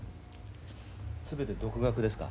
全て独学ですか？